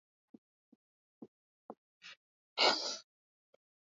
Leo ni leo asemayo kesho ni mwongo